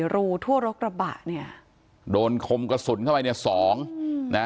รูทั่วรกระบะเนี่ยโดนคมกระสุนเข้าไปเนี่ยสองนะ